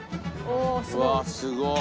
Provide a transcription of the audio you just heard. うわっすごい！